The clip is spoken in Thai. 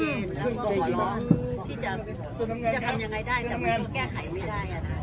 แล้วก็ขอร้องที่จะทำยังไงได้แต่มันก็แก้ไขไม่ได้อ่ะนะ